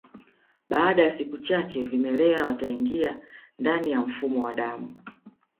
Baada ya siku chache vimelea wataingia ndani ya mfumo wa damu